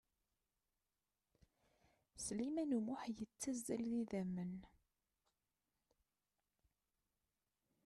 Sliman U Muḥ yettazzal d idamen.